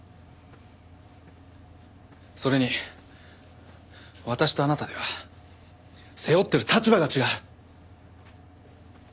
それに私とあなたでは背負ってる立場が違う！